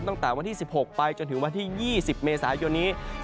ตั้งแต่วันที่๑๖ไปจนถึงวันที่๒๐เมษายนนี้